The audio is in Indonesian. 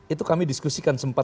itu kami diskusikan sempat